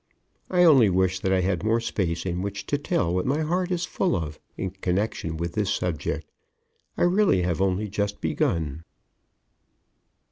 I only wish that I had more space in which to tell what my heart is full of in connection with this subject. I really have only just begun.